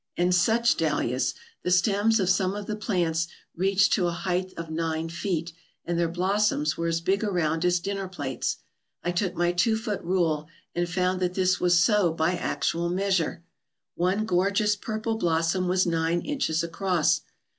And such dahlias! The stems of some of the plants reached to a height of nine feet, and their blossoms were as big around as dinner plates. , I took my two foot rule and found that this was so by actual measure. One 97 ALASKA OUR NORTHERN WONDERLAND gorgeous purple blossom was nine inches across.